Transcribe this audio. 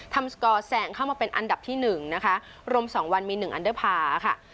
ทำกอกแสงเข้ามาเป็นอันดับที่หนึ่งนะคะรวมสองวันมีหนึ่งอันดับอาหารกับค่ะ